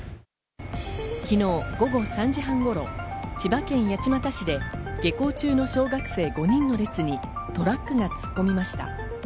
昨日午後３時半頃、千葉県八街市で下校中の小学生５人の列にトラックが突っ込みました。